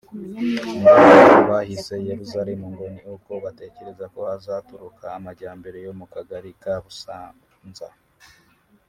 Indi mpamvu bahise Yeruzaremu ngo ni uko batekereza ko hazaturuka amajyambere yo mu Kagari ka Kabusanza